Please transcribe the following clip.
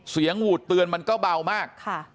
เสียงหูดเตือนมันก็เบามาก